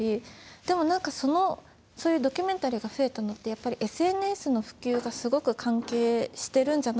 でも何かそのそういうドキュメンタリーが増えたのってやっぱりＳＮＳの普及がすごく関係してるんじゃないかなと思って。